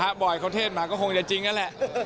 ถ้าบ่อยเขาเทศมาก็คงจะจริงนั่นแหละ